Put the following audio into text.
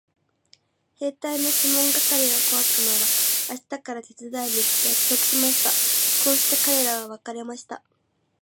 兵隊のシモン係の小悪魔は明日から手伝いに行くと約束しました。こうして彼等は別れました。